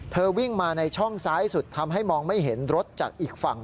วิ่งมาในช่องซ้ายสุดทำให้มองไม่เห็นรถจากอีกฝั่ง